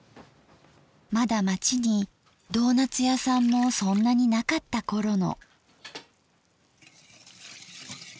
まだ町にドーナッツ屋さんもそんなになかった頃の。